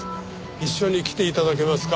一緒に来て頂けますか？